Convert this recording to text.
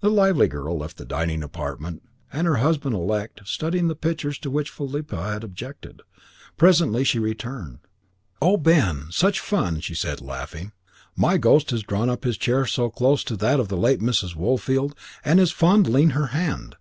The lively girl left the dining apartment, and her husband elect, studying the pictures to which Philippa had objected. Presently she returned. "Oh, Ben! such fun!" she said, laughing. "My ghost has drawn up his chair close to that of the late Mrs. Woolfield, and is fondling her hand.